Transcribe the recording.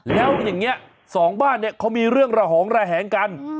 แล้วอย่างนี้สองบ้านเนี่ยเขามีเรื่องระหองระแหงกัน